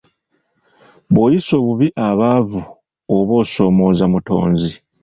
Bw'oyisa obubi abaavu, oba osoomooza Mutonzi.